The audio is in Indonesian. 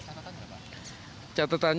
catetannya sih kalau saya lihat sekeliling